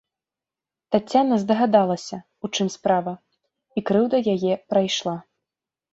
Таццяна здагадалася, у чым справа, і крыўда яе прайшла.